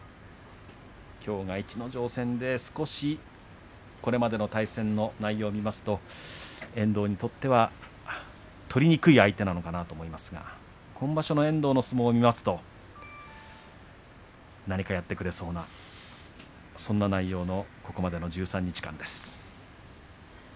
きょうが逸ノ城戦で少しこれまでの対戦の内容を見ますと遠藤にとっては取りにくい相手なのかなと思いますが今場所の遠藤の相撲を見ますと何かやってくれそうなそんな内容のここまでの１３日間です。